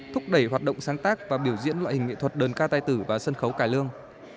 thúc đẩy hoạt động sáng tác và biểu diễn loại hình nghệ thuật đơn ca tài tử và sân khấu cải lương